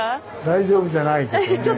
大丈夫じゃないけどね。